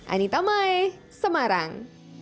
anita mai semarang